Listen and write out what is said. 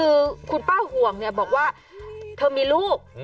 คือคุณป้าห่วงเนี่ยบอกว่าเธอมีลูก